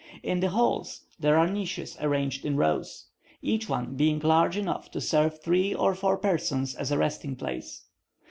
In the halls, there are niches arranged in rows; each one being large enough to serve three or four persons as a resting place.